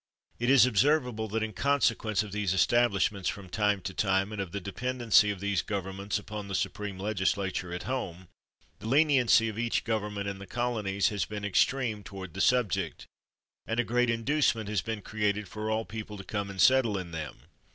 It is observable that in consequence of these estab lishments from time to time, and of the de pendency of these governments upon the supreme legislature at home, the lenity of each govern ment in the colonies has been extreme toward the subject; and a great inducement has been created for people to come and settle in them.